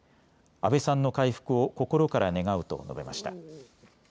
安倍さんの回復を心から願うと述べました。